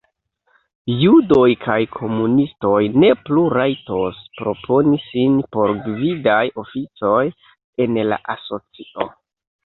Judoj kaj komunistoj ne plu rajtos proponi sin por gvidaj oficoj en la asocio.